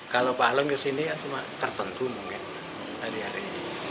kalau pak long kesini kan cuma tertentu mungkin hari hari